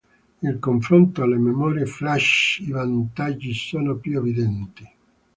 In confronto alle memorie Flash i vantaggi sono più evidenti.